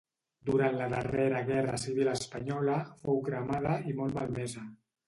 Durant la darrera guerra civil espanyola fou cremada i molt malmesa.